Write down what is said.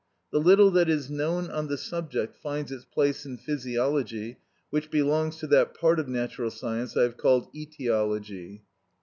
The little that is known on the subject finds its place in physiology, which belongs to that part of natural science I have called etiology.